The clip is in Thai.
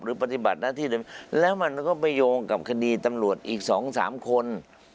ปฏิบัติหน้าที่เดิมแล้วมันก็ไปโยงกับคดีตำรวจอีก๒๓คน